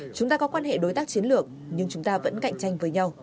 chúng ta có quan hệ đối tác chiến lược nhưng chúng ta vẫn cạnh tranh với nhau